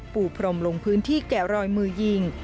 ปูพรมลงพื้นที่แกะรอยมือยิง